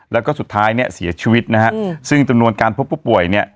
แล้วก็สุดท้ายเนี่ยเสียชีวิตนะฮะซึ่งจำนวนการพบผู้ป่วยเนี่ย